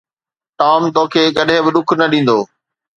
Tom توکي ڪڏهن به ڏک نه ڏيندو